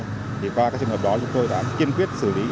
thì qua các trường hợp đó chúng tôi đã kiên quyết xử lý